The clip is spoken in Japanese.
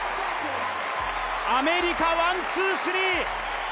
アメリカ、ワンツースリー！